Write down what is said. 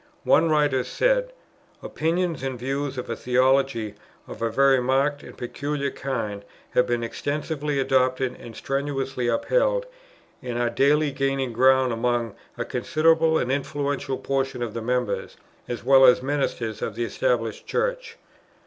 One writer said: "Opinions and views of a theology of a very marked and peculiar kind have been extensively adopted and strenuously upheld, and are daily gaining ground among a considerable and influential portion of the members, as well as ministers of the Established Church."